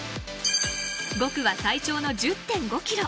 ５区は最長の１０．５キロ。